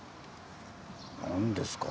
何ですか？